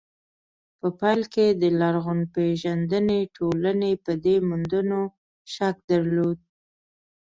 په پيل کې د لرغونپېژندنې ټولنې په دې موندنو شک درلود.